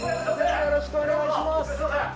よろしくお願いします